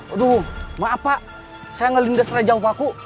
aduh maaf pak saya ngelindas rajau paku